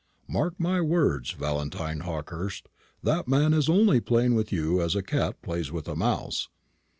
Mark my words, Valentine Hawkehurst, that man is only playing with you as a cat plays with a mouse.